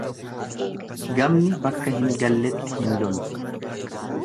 Gamni bakka hin galletti hin lolu.